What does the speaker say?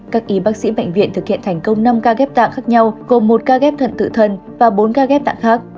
các y bác sĩ bệnh viện thực hiện thành công năm ca ghép tặng khác nhau gồm một ca ghép thuận tự thân và bốn ca ghép tặng khác